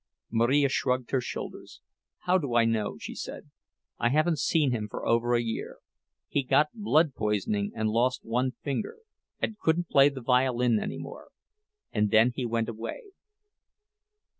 Marija shrugged her shoulders. "How do I know?" she said. "I haven't seen him for over a year. He got blood poisoning and lost one finger, and couldn't play the violin any more; and then he went away."